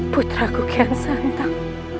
putra kukian santan